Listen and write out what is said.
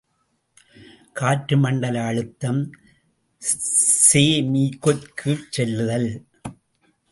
காற்று மண்டல அழுத்தம் செ.மீக்குக் கீழ்ச் செல்லுதல்.